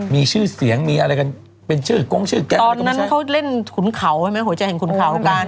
มีชื่อเสียงมีอะไรกันเป็นชื่อกงชื่อแก๊งตอนนั้นเขาเล่นขุนเขาใช่ไหมหัวใจเห็นขุนเขากัน